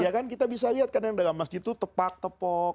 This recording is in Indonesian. ya kan kita bisa lihat kan yang dalam masjid itu tepat tepok